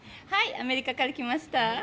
アメリカから来ました。